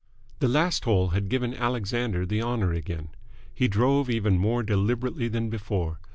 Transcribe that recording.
The last hole had given Alexander the honour again. He drove even more deliberately than before.